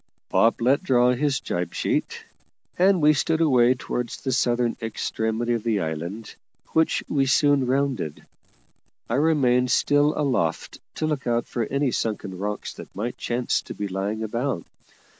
Bob let draw his jib sheet, and we stood away towards the southern extremity of the island, which we soon rounded; I remaining still aloft to look out for any sunken rocks that might chance to be lying about.